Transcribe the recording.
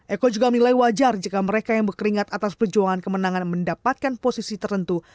eko juga menilai wajar jika mereka yang berkeringat atas perjuangan kemenangan mendapatkan posisi tertentu